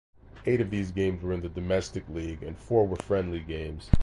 Eight of these games were in the domestic league and four were friendly games.